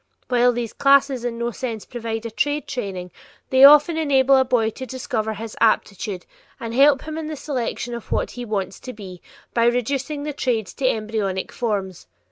While these classes in no sense provide a trade training, they often enable a boy to discover his aptitude and help him in the selection of what he "wants to be" by reducing the trades to embryonic forms.